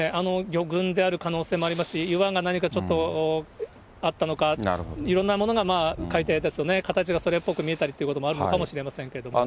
魚群である可能性もありますし、岩が何かちょっとあったのか、いろんなものが海底ですとね、形がそれっぽく見えることがあるのかもしれませんけれども。